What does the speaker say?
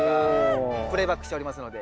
プレイバックしておりますので。